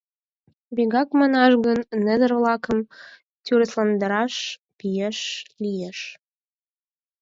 Вигак манаш гын, незер-влакым тӱрысландараш пеш лиеш.